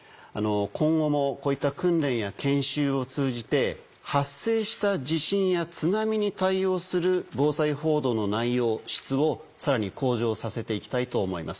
今後もこういった訓練や研修を通じて発生した地震や津波に対応する防災報道の内容質をさらに向上させていきたいと思います。